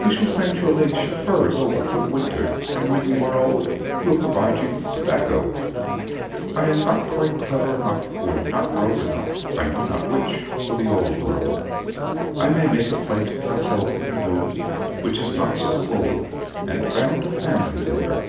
We will send your ladyship furs over for the winter; and, when you are old, we'll provide you with tobacco. I am not quite clever enough, or not rogue enough I know not which for the Old World. I may make a place for myself in the New, which is not so full; and found a family there.